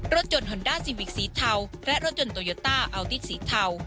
รถยนต์ฮอนด้าซีวิกสีเทาและรถยนต์โตโยต้าอัลติสีเทา